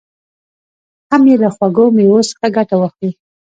هم یې له خوږو مېوو څخه ګټه واخلي.